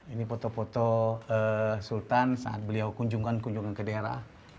ini foto foto sultan saat beliau kunjungan kunjungan ke daerah